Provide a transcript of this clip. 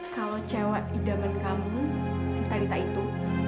kalau cewek idaman kamu sita dita itu